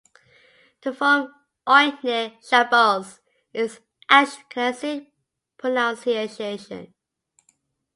The form "Oyneg Shabbos" is Ashkenazic pronunciation.